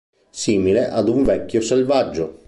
Simile ad un vecchio selvaggio.